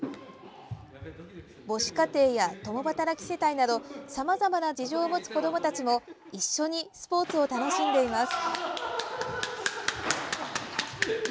母子家庭や共働き世帯などさまざまな事情を持つ子どもたちも一緒にスポーツを楽しんでいます。